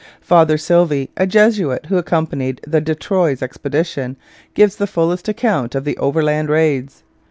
Father Sylvie, a Jesuit who accompanied the de Troyes expedition, gives the fullest account of the overland raids.